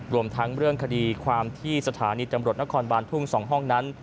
รวมทั้งเรื่องคดีความที่สถานีตำรวจนครบานทุ่ง๒ห้องนั้น